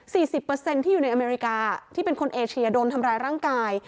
สิบเปอร์เซ็นต์ที่อยู่ในอเมริกาที่เป็นคนเอเชียโดนทำร้ายร่างกาย